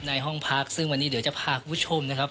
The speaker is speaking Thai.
ในห้องพักซึ่งวันนี้เดี๋ยวจะพาคุณผู้ชมนะครับ